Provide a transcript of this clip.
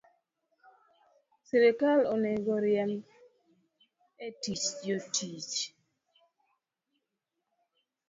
Sirkal onego riemb e tich jotich